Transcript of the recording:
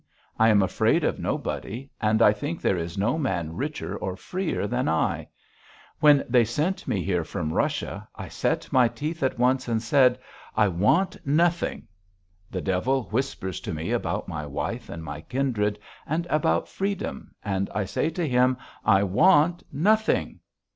I am afraid of nobody and I think there is no man richer or freer than I. When they sent me here from Russia I set my teeth at once and said: 'I want nothing!' The devil whispers to me about my wife and my kindred, and about freedom and I say to him: 'I want nothing!'